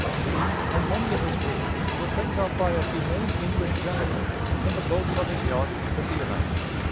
He and many of his crew were picked up by a humane English gentleman in the boats of his yacht, the Deerhound.